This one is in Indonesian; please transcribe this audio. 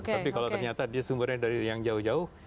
tapi kalau ternyata dia sumbernya dari yang jauh jauh